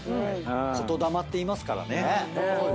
言霊って言いますからね。